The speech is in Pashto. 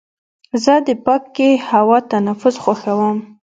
زه د پاکې هوا تنفس خوښوم.